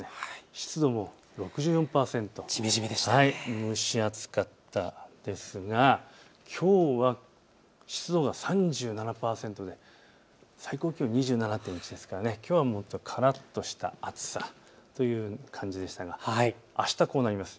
湿度も６４％、蒸し暑かったですがきょうは湿度が３７％、最高気温２７．１度ですからきょうはからっとした暑さという感じでしたがあしたはこうなります。